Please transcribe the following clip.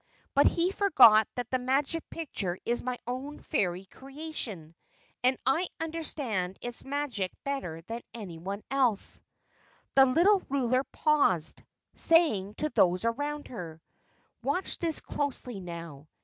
But he forgot that the Magic Picture is my own fairy creation, and I understand its magic better than anyone else." The Little Ruler paused, saying to those around her: "Watch this closely now."